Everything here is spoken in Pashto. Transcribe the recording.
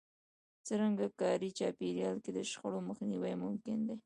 څرنګه کاري چاپېريال کې د شخړو مخنيوی ممکن دی؟